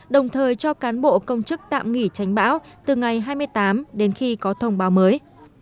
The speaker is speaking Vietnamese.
đồng thời cho cán bộ công chức tạm nghỉ tránh bão từ ngày hai mươi tám đến khi có thông báo mới